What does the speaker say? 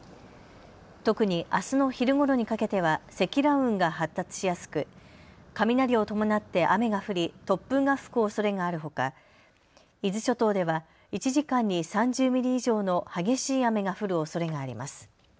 特にあすの昼ごろにかけては積乱雲が発達しやすく雷を伴って雨が降り、突風が吹くおそれがあるほか伊豆諸島では１時間に３０ミリ以上の激しい雨が降るおそれがあります。